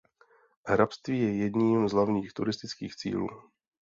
Hrabství je jedním z hlavních turistických cílů.